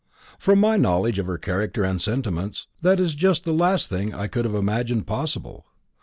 From my knowledge of her character and sentiments, that is just the last thing I could have imagined possible.